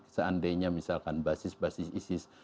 seandainya misalkan basis basis isis